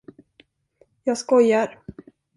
Jag skojar.